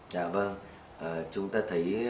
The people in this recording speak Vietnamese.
dạ vâng chúng ta thấy